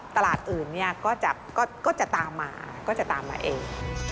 ตลาดอื่นก็จะตามมาก็จะตามมาเอง